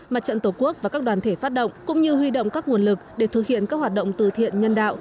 mặt trận tổ quốc và các đoàn thể phát động cũng như huy động các nguồn lực để thực hiện các hoạt động từ thiện nhân đạo